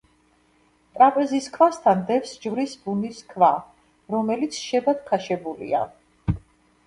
ტრაპეზის ქვასთან დევს ჯვრის ბუნის ქვა, რომელიც შებათქაშებულია.